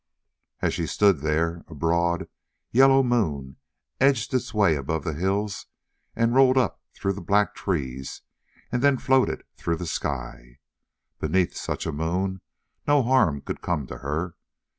As she stood there a broad, yellow moon edged its way above the hills and rolled up through the black trees and then floated through the sky. Beneath such a moon no harm could come to her.